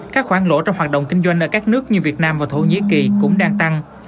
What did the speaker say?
các khoản lỗ trong hoạt động kinh doanh ở các nước như việt nam và thổ nhĩ kỳ cũng đang tăng